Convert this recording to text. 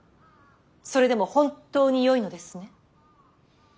それでも本当によいのですね。